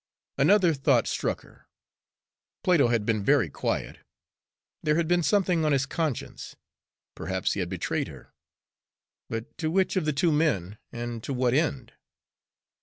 Another thought struck her. Plato had been very quiet there had been something on his conscience perhaps he had betrayed her! But to which of the two men, and to what end?